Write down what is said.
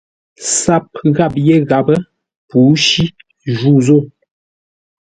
SAP ghap yé ghapə́; pǔshí ju zô.